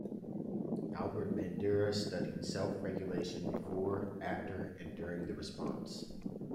Albert Bandura studied self-regulation before, after and during the response.